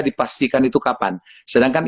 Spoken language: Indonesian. dipastikan itu kapan sedangkan